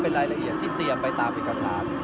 เป็นรายละเอียดที่เตรียมไปตามเอกสาร